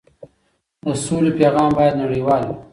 د سولې پیغام باید نړیوال وي.